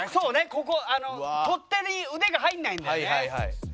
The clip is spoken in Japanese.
ここ取っ手に腕が入らないんだよね。